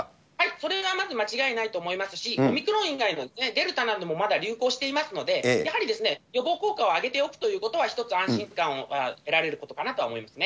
それがまず間違いないと思いますし、オミクロン以外のデルタなどもまだ流行していますので、やはり予防効果を上げておくということは、一つ安心感を得られることかなと思います。